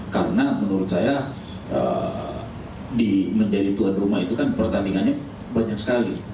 karena menurut saya di mendiri tuan rumah itu kan pertandingannya banyak sekali